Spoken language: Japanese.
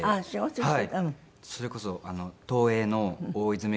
はい。